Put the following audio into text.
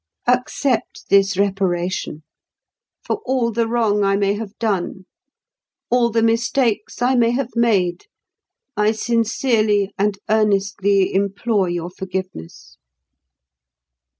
Accept this reparation. For all the wrong I may have done, all the mistakes I may have made, I sincerely and earnestly implore your forgiveness.